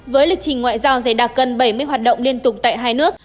với lịch trình ngoại giao dày đặc gần bảy mươi hoạt động liên tục tại hai nước